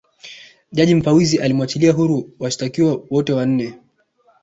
jaji mfawidhi aliwachilia huru washitakiwa wote wanne